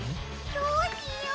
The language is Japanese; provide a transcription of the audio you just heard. どうしよう！？